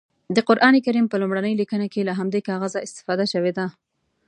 د قرانکریم په لومړنۍ لیکنه کې له همدې کاغذه استفاده شوې ده.